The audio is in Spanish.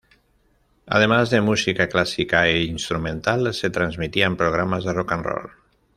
Además de música clásica e instrumental, se transmitían programas de rock n' roll.